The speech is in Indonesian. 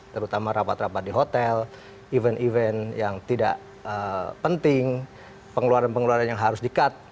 terutama rapat rapat di hotel event event yang tidak penting pengeluaran pengeluaran yang harus di cut